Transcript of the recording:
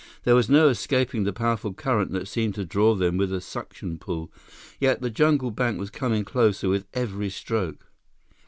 There was no escaping the powerful current that seemed to draw them with a suction pull. Yet the jungle bank was coming closer with every stroke.